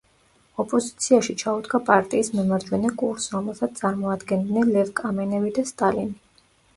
ოპოზიციაში ჩაუდგა პარტიის მემარჯვენე კურსს, რომელსაც წარმოადგენდნენ ლევ კამენევი და სტალინი.